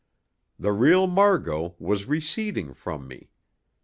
The real Margot was receding from me.